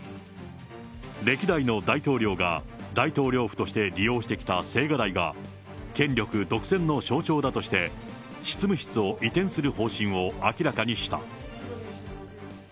歴代の大統領が大統領府として利用してきた青瓦台が、権力独占の象徴だとして、執務室を移転する方針を明らかにした。